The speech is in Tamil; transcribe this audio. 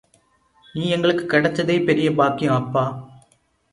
நீ எங்களுக்குக் கிடைச்சதே பெரிய பாக்கியம் அப்பா!